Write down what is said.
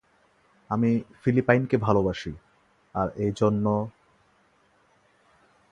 আমি ফিলিপাইনকে ভালবাসি- আর এর জন্য...